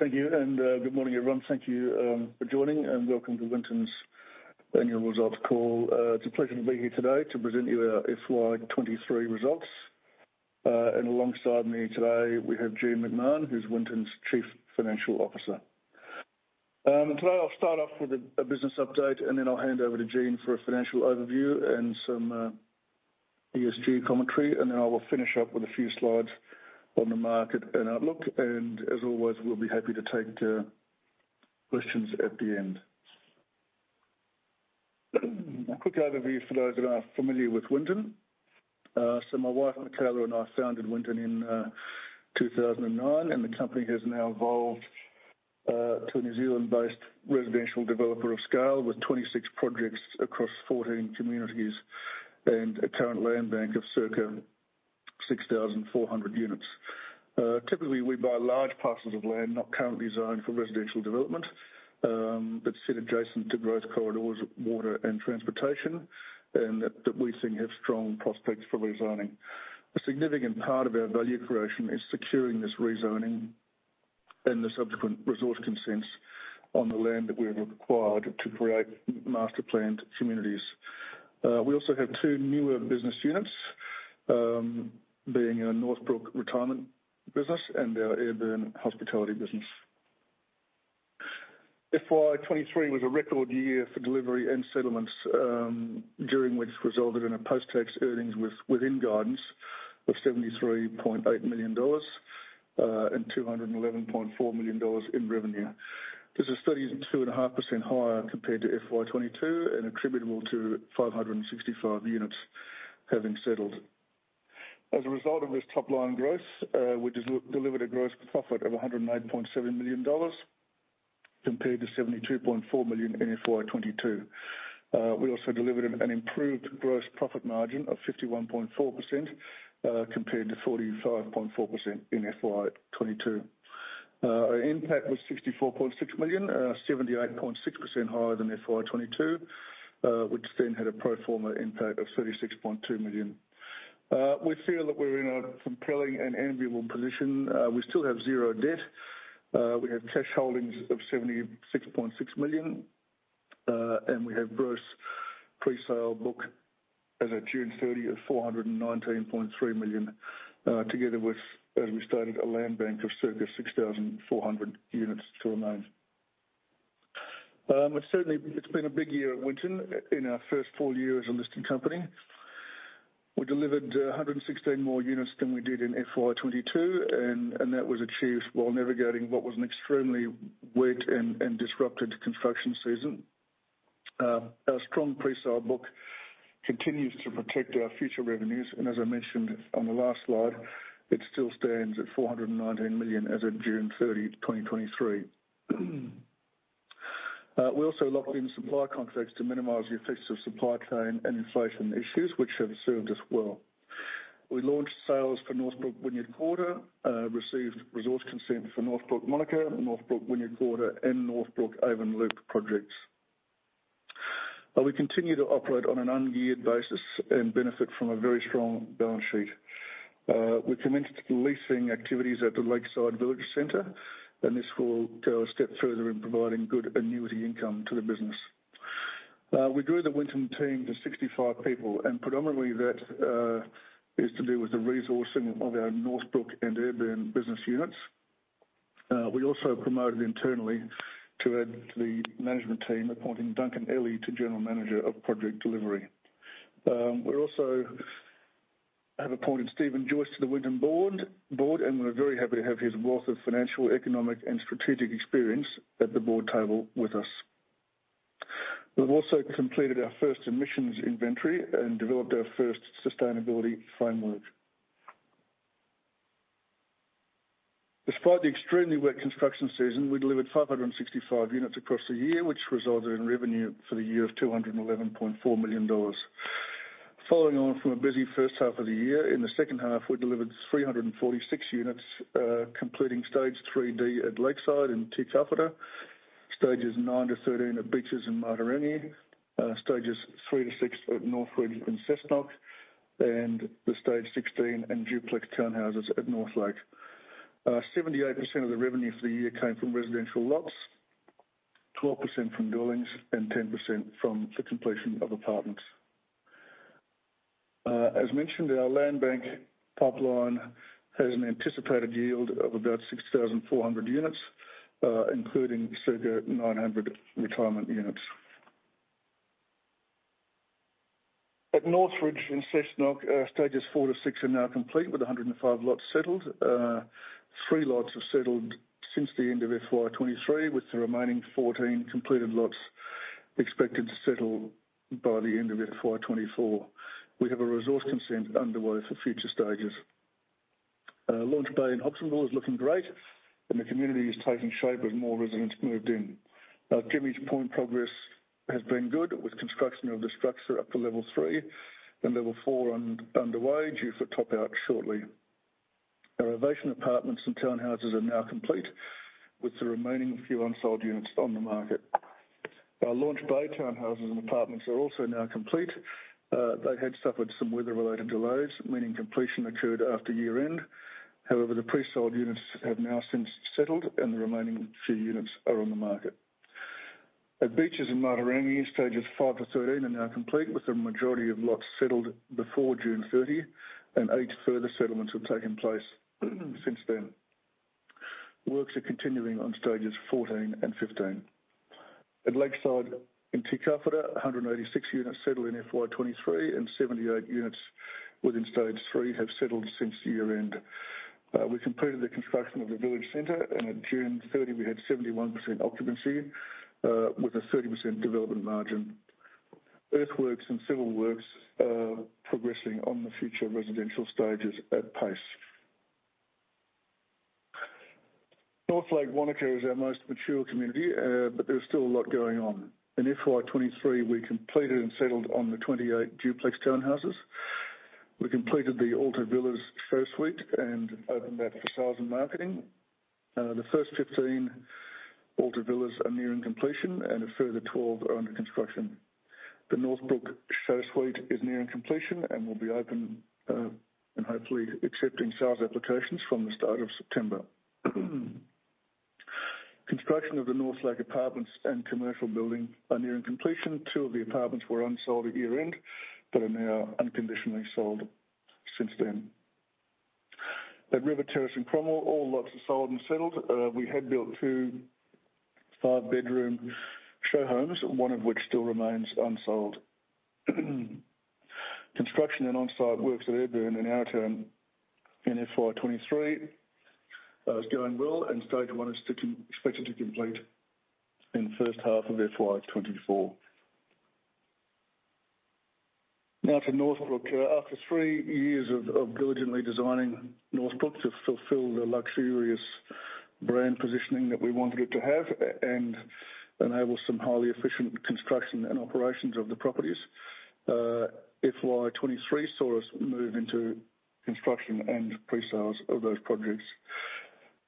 Thank you, good morning, everyone. Thank you for joining, welcome to Winton's annual results call. It's a pleasure to be here today to present you our FY 2023 results. Alongside me today, we have Jean McMahon, who's Winton's Chief Financial Officer. Today I'll start off with a business update, then I'll hand over to Jean for a financial overview and some ESG commentary. Then I will finish up with a few slides on the market and outlook. As always, we'll be happy to take the questions at the end. A quick overview for those that are familiar with Winton. My wife Michaela and I founded Winton in 2009, the company has now evolved to a New Zealand-based residential developer of scale with 26 projects across 14 communities and a current land bank of circa 6,400 units. Typically, we buy large parcels of land not currently zoned for residential development, but sit adjacent to growth corridors, water, and transportation, and that we think have strong prospects for rezoning. A significant part of our value creation is securing this rezoning and the subsequent resource consents on the land that we've acquired to create master-planned communities. We also have two newer business units, being our Northbrook retirement business and our Ayrburn hospitality business. FY 2023 was a record year for delivery and settlements, which resulted in a post-tax earnings within guidance of 73.8 million dollars and 211.4 million dollars in revenue. This is 32.5% higher compared to FY 2022 and attributable to 565 units having settled. A result of this top-line growth, we delivered a gross profit of 108.7 million dollars compared to 72.4 million in FY 2022. We also delivered an improved gross profit margin of 51.4% compared to 45.4% in FY 2022. Our NPAT was 64.6 million, 78.6% higher than FY22, which then had a pro forma NPAT of 36.2 million. We feel that we're in a compelling and enviable position. We still have zero debt. We have cash holdings of 76.6 million, and we have gross presale book as at June 30 of 419.3 million, together with, as we stated, a land bank of circa 6,400 units to remain. Certainly, it's been a big year at Winton in our first full year as a listed company. We delivered 116 more units than we did in FY22, and that was achieved while navigating what was an extremely wet and disrupted construction season. Our strong presale book continues to protect our future revenues, and as I mentioned on the last slide, it still stands at 419 million as of June 30, 2023. We also locked in supply contracts to minimize the effects of supply chain and inflation issues, which have served us well. We launched sales for Northbrook Wynyard Quarter, received resource consent for Northbrook Wānaka, Northbrook Wynyard Quarter, and Northbrook Avon Loop projects. We continue to operate on an ungeared basis and benefit from a very strong balance sheet. We commenced leasing activities at the Lakeside Village Center. This will go a step further in providing good annuity income to the business. We grew the Winton team to 65 people. Predominantly that is to do with the resourcing of our Northbrook and Ayrburn business units. We also promoted internally to add to the management team, appointing Duncan Elley to General Manager of Project Delivery. We also have appointed Steven Joyce to the Winton board, we're very happy to have his wealth of financial, economic, and strategic experience at the board table with us. We've also completed our first emissions inventory and developed our first sustainability framework. Despite the extremely wet construction season, we delivered 565 units across the year, which resulted in revenue for the year of 211.4 million dollars. Following on from a busy first half of the year, in the second half, we delivered 346 units, completing Stage 3D at Lakeside in Te Kauwhata, Stages 9-13 at Beaches in Matarangi, Stages 3-6 at North Ridge in Cessnock, and the Stage 16 and duplex townhouses at Northlake. 78% of the revenue for the year came from residential lots, 12% from buildings, and 10% from the completion of apartments. As mentioned, our land bank pipeline has an anticipated yield of about 6,400 units, including circa 900 retirement units. At North Ridge in Cessnock, Stages 4-6 are now complete with 105 lots settled. 3 lots have settled since the end of FY 2023, with the remaining 14 completed lots expected to settle by the end of FY 2024. We have a resource consent underway for future stages. Launch Bay in Hobsonville Point is looking great. The community is taking shape as more residents moved in. Jimmy's Point progress has been good with construction of the structure up to level 3 and level 4 underway, due for top-out shortly. Our Ovation apartments and townhouses are now complete, with the remaining few unsold units on the market. Our Launch Bay townhouses and apartments are also now complete. They had suffered some weather-related delays, meaning completion occurred after year-end. However, the pre-sold units have now since settled, and the remaining few units are on the market. At Beaches in Matarangi, stages 5 to 13 are now complete, with the majority of lots settled before June 30, and eight further settlements have taken place since then. Works are continuing on stages 14 and 15. At Lakeside in Te Kauwhata, 186 units settled in FY 2023, and 78 units within stage 3 have settled since year-end. We completed the construction of the village center, and at June 30, we had 71% occupancy with a 30% development margin. Earthworks and civil works are progressing on the future residential stages at pace. Northbrook Wānaka is our most mature community. There is still a lot going on. In FY 2023, we completed and settled on the 28 duplex townhouses. We completed the ALTA Villas show suite and opened that for sales and marketing. The first 15 ALTA Villas are nearing completion and a further 12 are under construction. The Northbrook show suite is nearing completion and will be open and hopefully accepting sales applications from the start of September. Construction of the Northlake apartments and commercial building are nearing completion. Two of the apartments were unsold at year-end, but are now unconditionally sold since then. At River Terrace in Cromwell, all lots are sold and settled. We had built two five-bedroom show homes, one of which still remains unsold. Construction and onsite works at Ayrburn in Arrowtown in FY 2023 is going well, and stage 1 is expected to complete in the first half of FY 2024. Now to Northbrook. After three years of diligently designing Northbrook to fulfill the luxurious brand positioning that we wanted it to have and enable some highly efficient construction and operations of the properties, FY 2023 saw us move into construction and pre-sales of those projects.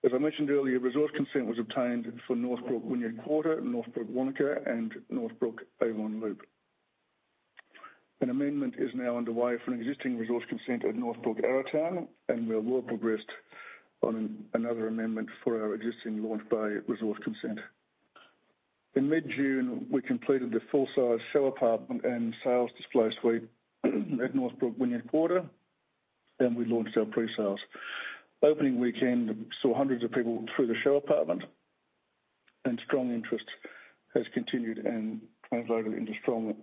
As I mentioned earlier, resource consent was obtained for Northbrook Wynyard Quarter, Northbrook Wānaka, and Northbrook Avon Loop. An amendment is now underway for an existing resource consent at Northbrook Arrowtown, and we are well progressed on another amendment for our existing Launch Bay resource consent. In mid-June, we completed the full-size show apartment and sales display suite at Northbrook Wynyard Quarter, and we launched our pre-sales. Opening weekend saw hundreds of people through the show apartment, and strong interest has continued and translated into strong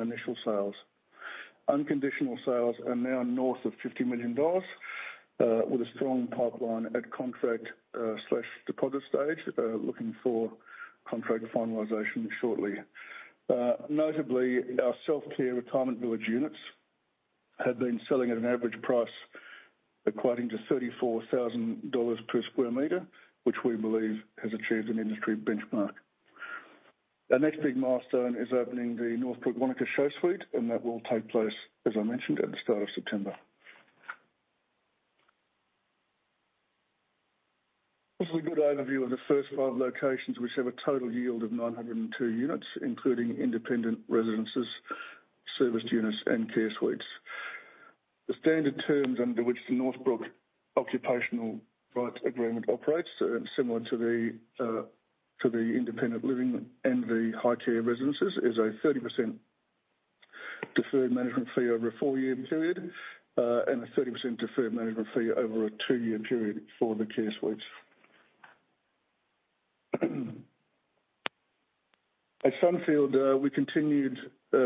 initial sales. Unconditional sales are now north of 50 million dollars, with a strong pipeline at contract/deposit stage, looking for contract finalization shortly. Notably, our self-care retirement village units have been selling at an average price equating to 34,000 dollars per sq m, which we believe has achieved an industry benchmark. Our next big milestone is opening the Northbrook Wānaka show suite, that will take place, as I mentioned, at the start of September. This is a good overview of the first five locations, which have a total yield of 902 units, including independent residences, serviced units, and care suites. The standard terms under which the Northbrook Occupation Right Agreement operates are similar to the independent living and the high-care residences, is a 30% deferred management fee over a four-year period, and a 30% deferred management fee over a two-year period for the care suites. At Sunfield, we continued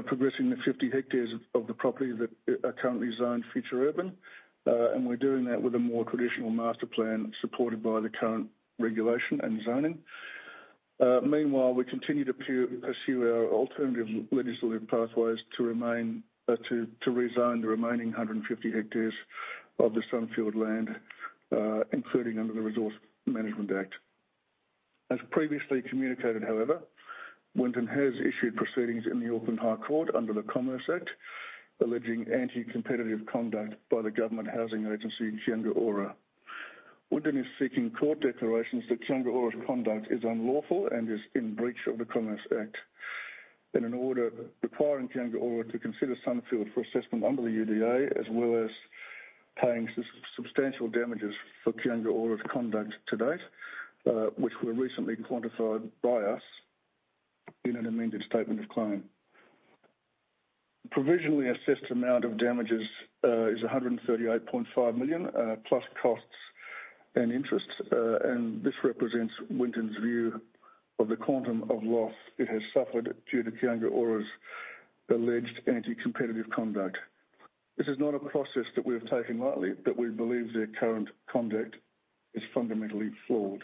progressing the 50 hectares of the property that are currently zoned future urban, and we're doing that with a more traditional master plan supported by the current regulation and zoning. Meanwhile, we continue to pursue our alternative legislative pathways to rezone the remaining 150 hectares of the Sunfield land, including under the Resource Management Act. As previously communicated, however, Winton has issued proceedings in the Auckland High Court under the Commerce Act, alleging anti-competitive conduct by the government housing agency, Kāinga Ora. Winton is seeking court declarations that Kāinga Ora's conduct is unlawful and is in breach of the Commerce Act. In an order requiring Kāinga Ora to consider Sunfield for assessment under the UDA, as well as paying substantial damages for Kāinga Ora's conduct to date, which were recently quantified by us in an amended statement of claim. Provisionally assessed amount of damages is 138.5 million plus costs and interest. This represents Winton's view of the quantum of loss it has suffered due to Kāinga Ora's alleged anti-competitive conduct. This is not a process that we've taken lightly. We believe their current conduct is fundamentally flawed.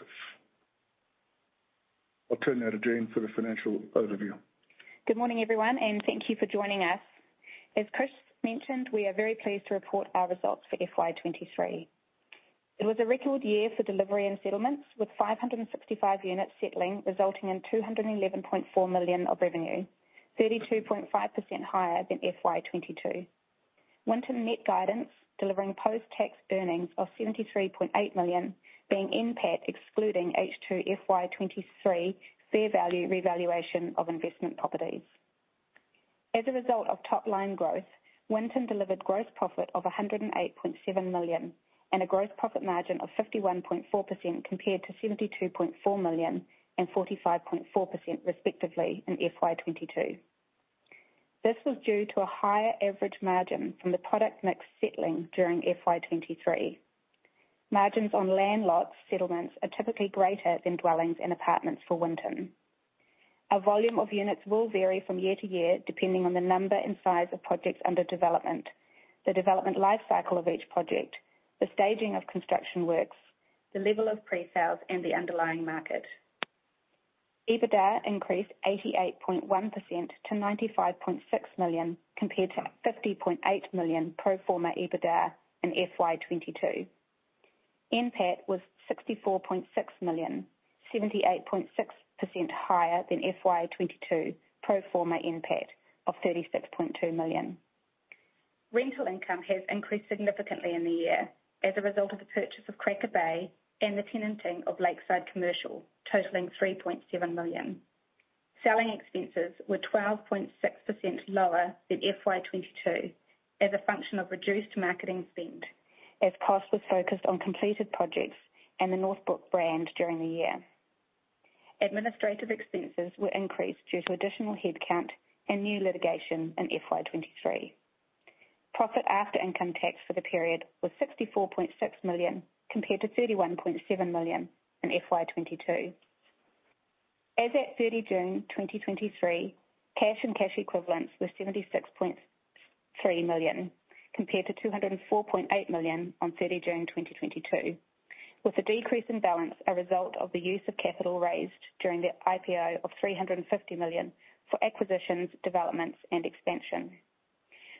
I'll turn now to Jean for the financial overview. Good morning, everyone. Thank you for joining us. As Chris mentioned, we are very pleased to report our results for FY 2023. It was a record year for delivery and settlements, with 565 units settling, resulting in 211.4 million of revenue, 32.5% higher than FY 2022. Winton met guidance delivering post-tax earnings of 73.8 million being NPAT excluding H2 FY 2023 fair value revaluation of investment properties. As a result of top-line growth, Winton delivered gross profit of 108.7 million and a gross profit margin of 51.4% compared to 72.4 million and 45.4% respectively in FY 2022. This was due to a higher average margin from the product mix settling during FY 2023. Margins on land lot settlements are typically greater than dwellings and apartments for Winton. Our volume of units will vary from year to year depending on the number and size of projects under development, the development life cycle of each project, the staging of construction works, the level of pre-sales, and the underlying market. EBITDA increased 88.1% to 95.6 million, compared to 50.8 million pro forma EBITDA in FY 2022. NPAT was 64.6 million, 78.6% higher than FY 2022 pro forma NPAT of 36.2 million. Rental income has increased significantly in the year as a result of the purchase of Cracker Bay and the tenanting of Lakeside Commercial, totaling 3.7 million. Selling expenses were 12.6% lower than FY 2022 as a function of reduced marketing spend, as cost was focused on completed projects and the Northbrook brand during the year. Administrative expenses were increased due to additional headcount and new litigation in FY 2023. Profit after income tax for the period was 64.6 million compared to 31.7 million in FY 2022. As at 30 June 2023, cash and cash equivalents were 76.3 million, compared to 204.8 million on 30 June 2022, with the decrease in balance a result of the use of capital raised during the IPO of 350 million for acquisitions, developments, and expansion.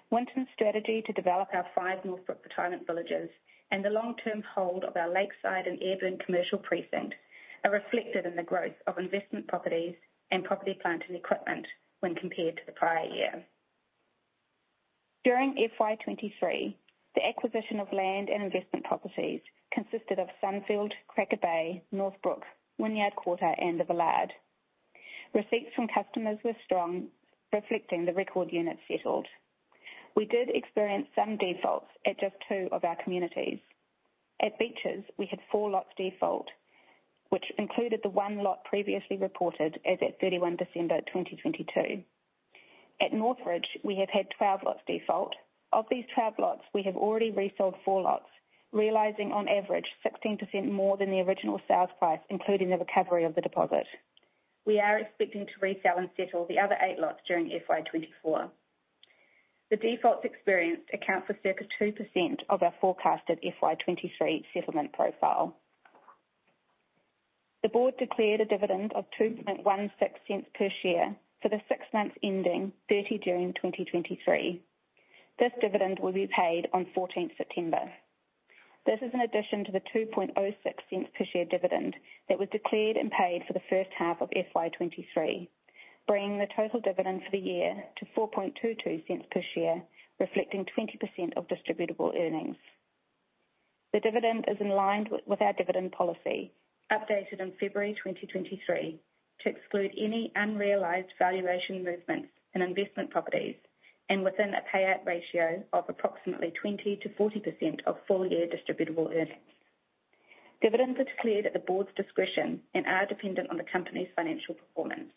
Winton's strategy to develop our five Northbrook Retirement Villages and the long-term hold of our Lakeside and Ayrburn Commercial Precinct are reflected in the growth of investment properties and property plant and equipment when compared to the prior year. During FY 2023, the acquisition of land and investment properties consisted of Sunfield, Cracker Bay, Northbrook, Wynyard Quarter, and The Villard. Receipts from customers were strong, reflecting the record units settled. We did experience some defaults at just two of our communities. At Beaches, we had four lots default, which included the one lot previously reported as at 31 December 2022. At North Ridge, we have had 12 lots default. Of these 12 lots, we have already resold four lots, realizing on average 16% more than the original sales price, including the recovery of the deposit. We are expecting to resell and settle the other eight lots during FY 2024. The defaults experienced account for circa 2% of our forecasted FY 2023 settlement profile. The board declared a dividend of 0.0216 per share for the six months ending 30 June 2023. This dividend will be paid on 14th September. This is in addition to the 0.0206 per share dividend that was declared and paid for the first half of FY 2023, bringing the total dividend for the year to 0.0422 per share, reflecting 20% of distributable earnings. The dividend is in line with our dividend policy, updated in February 2023 to exclude any unrealized valuation movements in investment properties and within a payout ratio of approximately 20%-40% of full-year distributable earnings. Dividends are declared at the board's discretion and are dependent on the company's financial performance.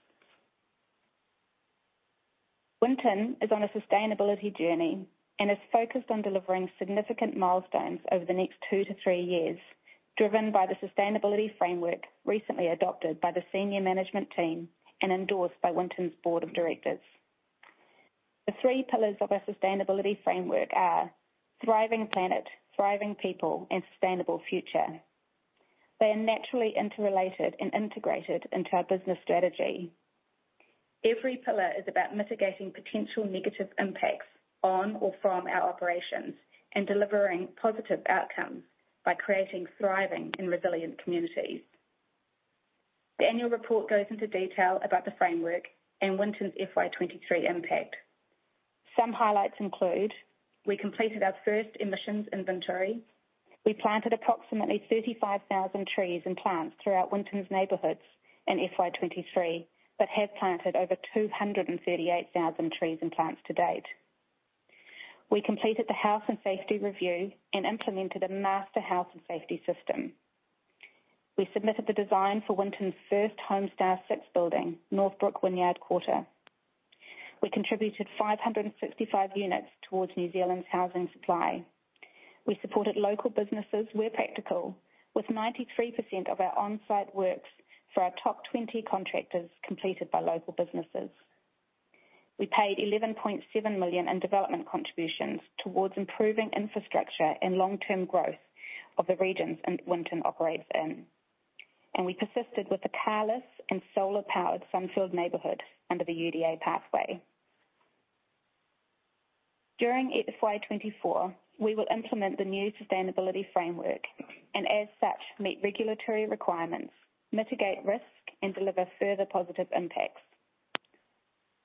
Winton is on a sustainability journey and is focused on delivering significant milestones over the next 2-3 years, driven by the sustainability framework recently adopted by the senior management team and endorsed by Winton's Board of Directors. The three pillars of our sustainability framework are thriving planet, thriving people, and sustainable future. They are naturally interrelated and integrated into our business strategy. Every pillar is about mitigating potential negative impacts on or from our operations and delivering positive outcomes by creating thriving and resilient communities. The annual report goes into detail about the framework and Winton's FY23 impact. Some highlights include we completed our first emissions inventory. We planted approximately 35,000 trees and plants throughout Winton's neighborhoods in FY23, but have planted over 238,000 trees and plants to date. We completed the health and safety review and implemented a master health and safety system. We submitted the design for Winton's first Homestar 6 building, Northbrook Wynyard Quarter. We contributed 565 units towards New Zealand's housing supply. We supported local businesses where practical with 93% of our on-site works for our top 20 contractors completed by local businesses. We paid 11.7 million in development contributions towards improving infrastructure and long-term growth of the regions Winton operates in. We persisted with the car-less and solar-powered Sunfield neighborhood under the UDA pathway. During FY 2024, we will implement the new sustainability framework and as such, meet regulatory requirements, mitigate risk, and deliver further positive impacts.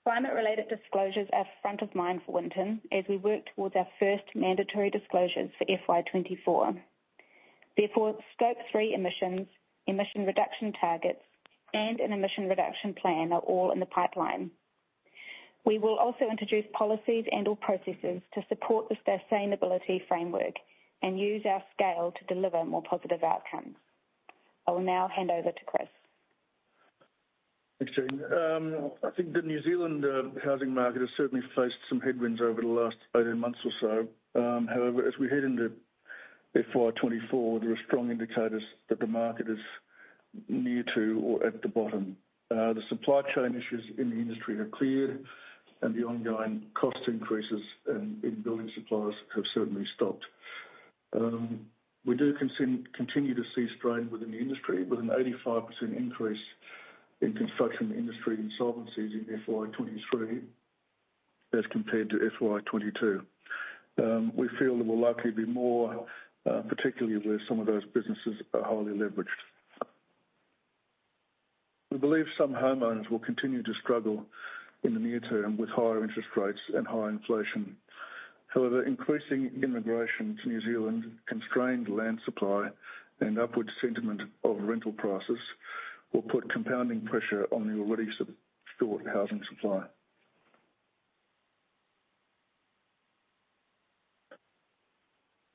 Climate-related disclosures are front of mind for Winton as we work towards our first mandatory disclosures for FY 2024. Therefore, scope three emissions, emission reduction targets, and an emission reduction plan are all in the pipeline. We will also introduce policies and/or processes to support the sustainability framework and use our scale to deliver more positive outcomes. I will now hand over to Chris. Thanks, Jean. I think the New Zealand housing market has certainly faced some headwinds over the last 18 months or so. As we head into FY 2024, there are strong indicators that the market is near to or at the bottom. The supply chain issues in the industry have cleared, the ongoing cost increases in building supplies have certainly stopped. We do continue to see strain within the industry, with an 85% increase in construction industry insolvencies in FY 2023 as compared to FY 2022. We feel there will likely be more, particularly where some of those businesses are highly leveraged. We believe some homeowners will continue to struggle in the near term with higher interest rates and high inflation. Increasing immigration to New Zealand constrained land supply and upward sentiment of rental prices will put compounding pressure on the already short housing supply.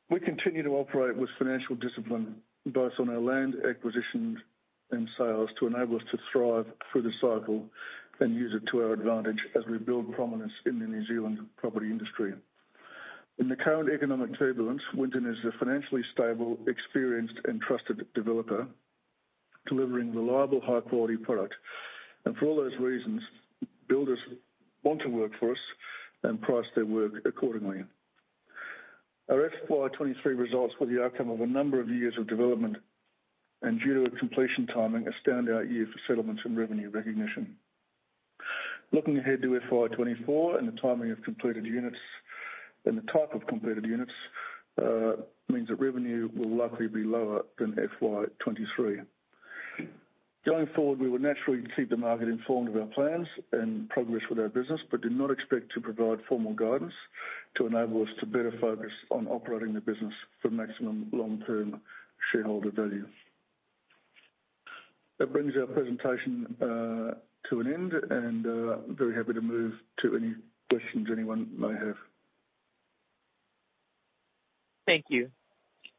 We continue to operate with financial discipline, both on our land acquisitions and sales, to enable us to thrive through the cycle and use it to our advantage as we build prominence in the New Zealand property industry. In the current economic turbulence, Winton is a financially stable, experienced, and trusted developer, delivering reliable, high-quality product. For all those reasons, builders want to work for us and price their work accordingly. Our FY 2023 results were the outcome of a number of years of development and, due to its completion timing, a standout year for settlements and revenue recognition. Looking ahead to FY 2024 and the timing of completed units and the type of completed units means that revenue will likely be lower than FY 2023. Going forward, we will naturally keep the market informed of our plans and progress with our business but do not expect to provide formal guidance to enable us to better focus on operating the business for maximum long-term shareholder value. That brings our presentation to an end, and I'm very happy to move to any questions anyone may have. Thank you.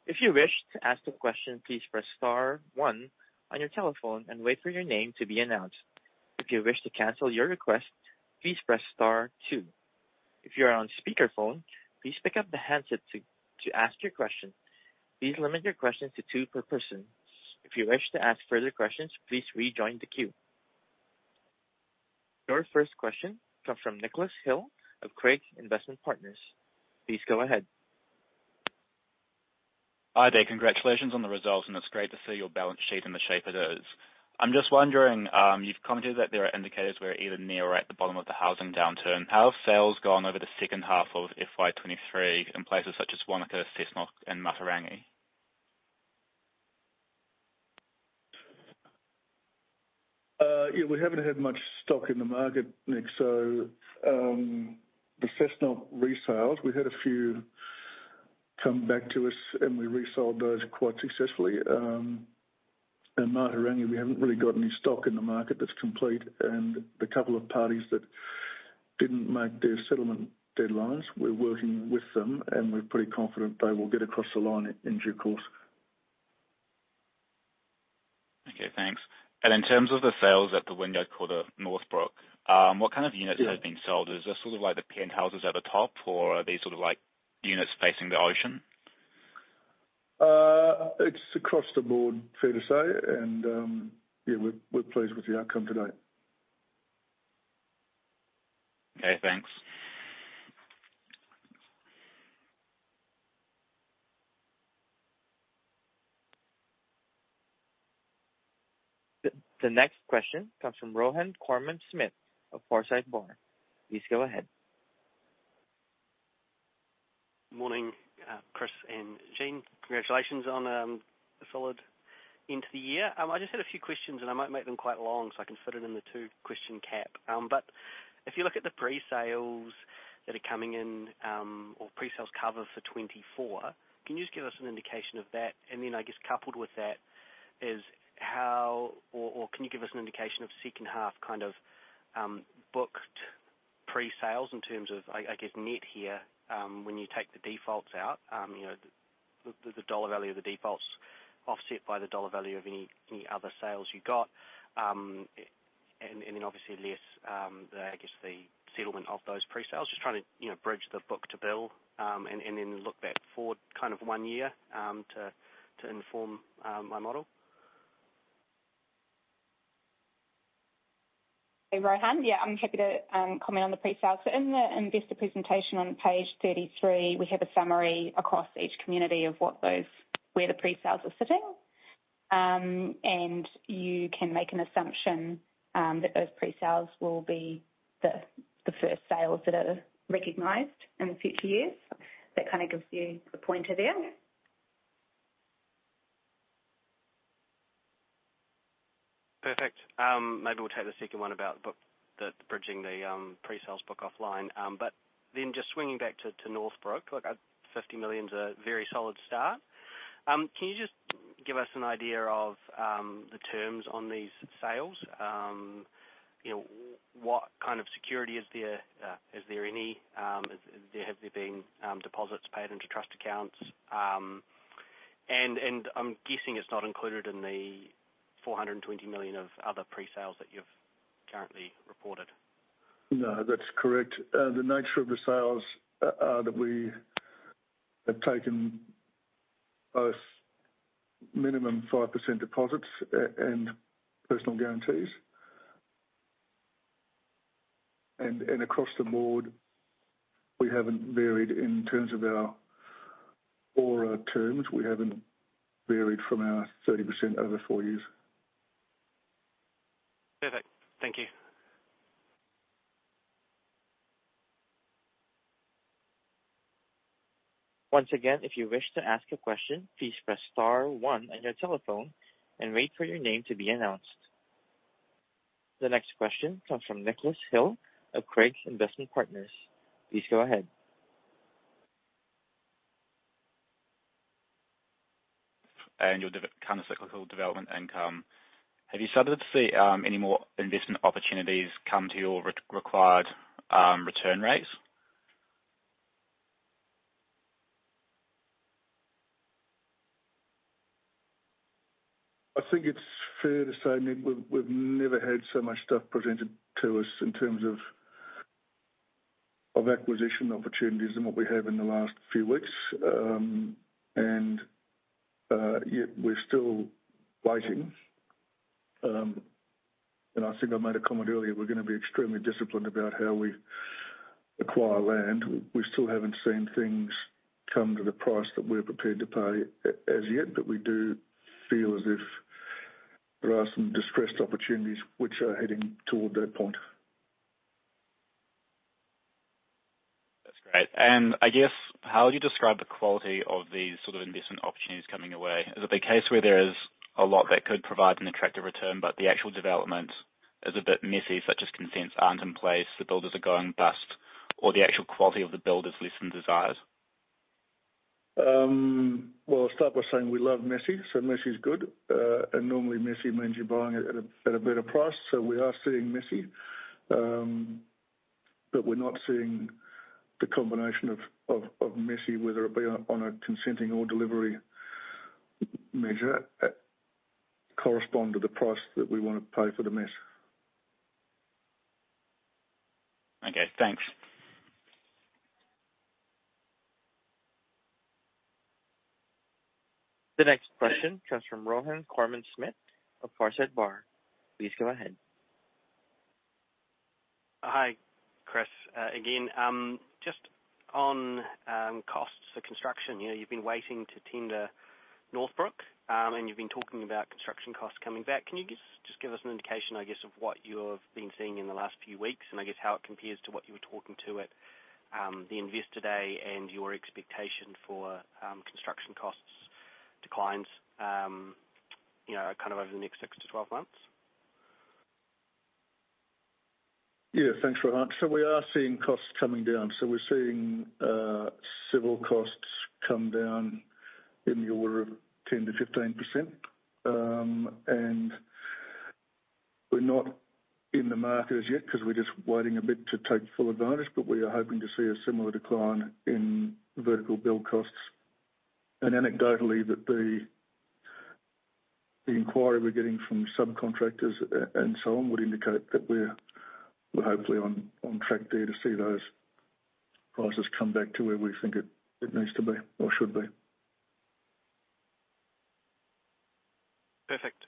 If you wish to ask a question, please press star one on your telephone and wait for your name to be announced. If you wish to cancel your request, please press star two. If you are on speakerphone, please pick up the handset to ask your question. Please limit your questions to two per person. If you wish to ask further questions, please rejoin the queue. Your first question comes from Nicholas Hill of Craigs Investment Partners. Please go ahead. Hi there. Congratulations on the results, and it's great to see your balance sheet in the shape it is. I'm just wondering, you've commented that there are indicators we're either near or at the bottom of the housing downturn. How have sales gone over the second half of FY 2023 in places such as Wānaka, Cessnock, and Matarangi? Yeah, we haven't had much stock in the market, Nick. The Cessnock resales, we had a few come back to us, and we resold those quite successfully. In Matarangi, we haven't really got any stock in the market that's complete, and the couple of parties that didn't make their settlement deadlines, we're working with them, and we're pretty confident they will get across the line in due course. Okay, thanks. In terms of the sales at the Wynyard Quarter Northbrook, what kind of units have been sold? Is this sort of like the penthouses at the top, or are they sort of like units facing the ocean? It's across the board, fair to say, and yeah, we're pleased with the outcome to date. Okay, thanks. The next question comes from Rohan Korman-Smith of Forsyth Barr. Please go ahead. Morning, Chris and Jean. Congratulations on a solid end to the year. I just had a few questions. I might make them quite long so I can fit it in the two-question cap. If you look at the pre-sales that are coming in or pre-sales cover for 2024, can you just give us an indication of that? I guess coupled with that is how or can you give us an indication of second-half kind of booked pre-sales in terms of, I guess, net here when you take the defaults out, the NZD value of the defaults offset by the NZD value of any other sales you got, then obviously less the, I guess, the settlement of those pre-sales? Just trying to bridge the book to bill and then look back forward one year to inform my model. Hey, Rohan. Yeah, I'm happy to comment on the pre-sales. In the investor presentation on page 33, we have a summary across each community of where the pre-sales are sitting. You can make an assumption that those pre-sales will be the first sales that are recognized in the future years. That kind of gives you the pointer there. Perfect. Maybe we'll take the second one about the bridging the pre-sales book offline. Just swinging back to Northbrook, 50 million is a very solid start. Can you just give us an idea of the terms on these sales? What kind of security is there? Is there any? Have there been deposits paid into trust accounts? I'm guessing it's not included in the 420 million of other pre-sales that you've currently reported. No, that's correct. The nature of the sales are that we have taken both minimum 5% deposits and personal guarantees. Across the board, we haven't varied in terms of our ORA terms. We haven't varied from our 30% over four years. Perfect. Thank you. Once again, if you wish to ask a question, please press star one on your telephone and wait for your name to be announced. The next question comes from Nicholas Hill of Craigs Investment Partners. Please go ahead. Your countercyclical development income. Have you started to see any more investment opportunities come to your required return rates? I think it's fair to say, Nick, we've never had so much stuff presented to us in terms of acquisition opportunities than what we have in the last few weeks. Yet we're still waiting. I think I made a comment earlier, we're going to be extremely disciplined about how we acquire land. We still haven't seen things come to the price that we're prepared to pay as yet, but we do feel as if there are some distressed opportunities which are heading toward that point. That's great. I guess, how would you describe the quality of these sort of investment opportunities coming your way? Is it the case where there is a lot that could provide an attractive return, but the actual development is a bit messy, such as consents aren't in place, the builders are going bust, or the actual quality of the build is less than desired? I'll start by saying we love messy, so messy is good. Normally messy means you're buying at a better price. We are seeing messy. We're not seeing the combination of messy, whether it be on a consenting or delivery measure, correspond to the price that we want to pay for the mess. Okay, thanks. The next question comes from Rohan Korman-Smith of Forsyth Barr. Please go ahead. Hi, Chris. Again, just on costs for construction. You've been waiting to tender Northbrook, and you've been talking about construction costs coming back. Can you just give us an indication, I guess, of what you have been seeing in the last few weeks, and I guess how it compares to what you were talking to at the investor day and your expectation for construction costs declines over the next six to twelve months? Yeah, thanks, Rohan. We are seeing costs coming down. We're seeing civil costs come down in the order of 10-15%. We're not in the market as yet because we're just waiting a bit to take full advantage, but we are hoping to see a similar decline in vertical build costs. Anecdotally, that the inquiry we're getting from subcontractors and so on would indicate that we're hopefully on track there to see those prices come back to where we think it needs to be or should be. Perfect.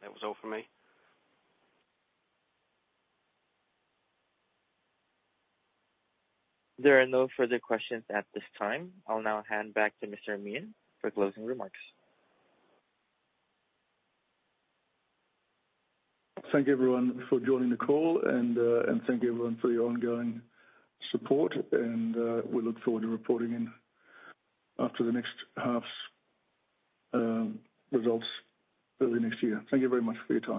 That was all for me. There are no further questions at this time. I'll now hand back to Chris Meehan for closing remarks. Thank you, everyone, for joining the call, and thank you, everyone, for your ongoing support. We look forward to reporting in after the next half's results early next year. Thank you very much for your time.